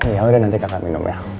ya udah nanti kakak minum ya